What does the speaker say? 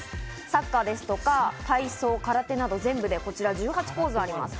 サッカーですとか体操、空手など全部で１８ポーズあります。